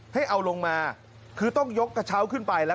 ให้เอาลงมาคือต้องยกกระเช้าขึ้นไปแล้ว